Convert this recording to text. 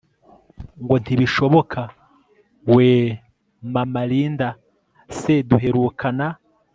ngo ntibishoboka weee Mama Linda se Duherukana